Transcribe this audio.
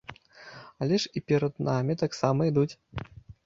Але ж і перад намі таксама ідуць.